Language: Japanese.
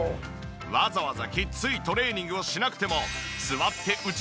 わざわざきついトレーニングをしなくても。